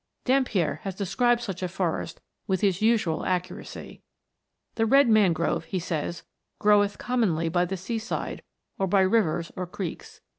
Dampier has described such a forest with his usual accuracy. " The red mangrove," he says, " groweth com monly by the sea side, or by rivers or creeks.